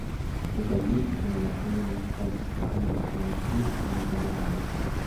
Desde allí, y con el apoyo de esos países, especialmente Haití, reanudaron la lucha.